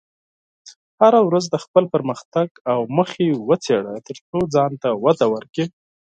هره ورځ خپل پرمختګ او موخې وڅېړه، ترڅو ځان ته وده ورکړې.